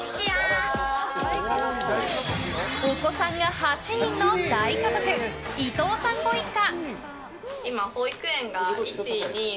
お子さんが８人の大家族伊藤さんご一家。